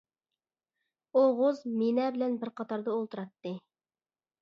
ئوغۇز مىنە بىلەن بىر قاتاردا ئولتۇراتتى.